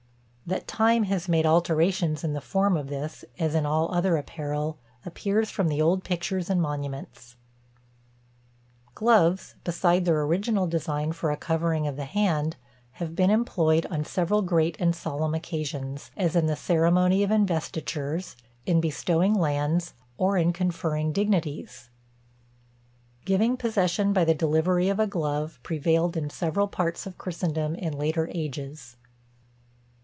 That time has made alterations in the form of this, as in all other apparel, appears from the old pictures and monuments. Gloves, beside their original design for a covering of the hand, have been employed on several great and solemn occasions; as in the ceremony of investitures, in bestowing lands, or in conferring dignities. Giving possession by the delivery of a glove, prevailed in several parts of Christendom in later ages.